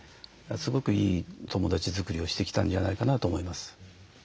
すごくいい友だち作りをしてきたんじゃないかなと思います。